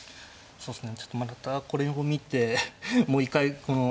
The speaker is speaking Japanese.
そうですね。